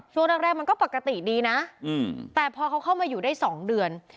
ช่วงแรกมันก็ปกติดีนะแต่พอเขาเข้ามาอยู่ได้๒เดือน